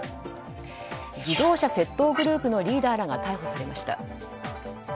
自動車窃盗グループのリーダーらが逮捕されました。